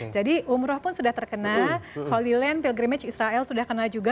jadi umroh pun sudah terkena holy land pilgrimage israel sudah terkena juga